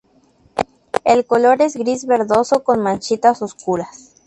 El color es gris verdoso con manchitas oscuras.